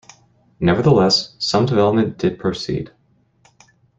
Nevertheless, some development did proceed.